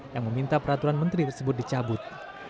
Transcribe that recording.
yang meminta peraturan menteri tersebut dicabut